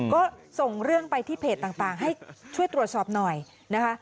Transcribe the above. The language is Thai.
ก็ส่งเรื่องไปที่เพจต่างให้ช่วยตรวจสอบหน่อยนะคะ